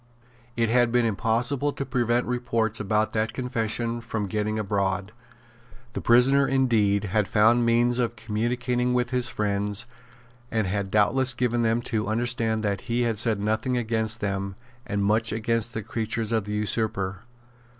It had been impossible to prevent reports about that confession from getting abroad. The prisoner, indeed, had found means of communicating with his friends, and had doubtless given them to understand that he had said nothing against them, and much against the creatures of the usurper.